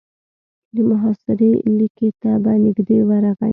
د محاصرې ليکې ته به نږدې ورغی.